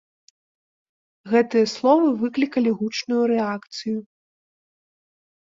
Гэтыя словы выклікалі гучную рэакцыю.